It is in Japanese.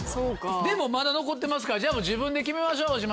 でもまだ残ってますからじゃあ自分で決めましょう大島さん。